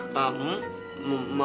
kau mau lihat